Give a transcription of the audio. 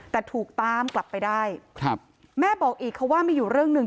แต่ถูกตามกลับไปได้ครับแม่บอกอีกค่ะว่ามีอยู่เรื่องหนึ่ง